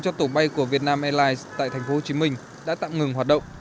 cho tổ bay của vietnam airlines tại tp hcm đã tạm ngừng hoạt động